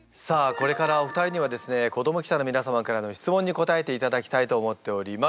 これからお二人にはですね子ども記者の皆様からの質問に答えていただきたいと思っております。